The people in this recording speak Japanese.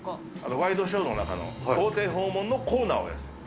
ワイドショーの中の豪邸訪問のコーナーをやってた。